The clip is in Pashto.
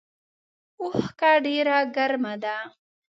اوښکه ډیره ګرمه ده